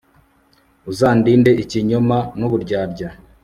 uzandinde ikinyoma n'uburyarya